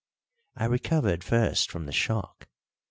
I recovered first from the shock.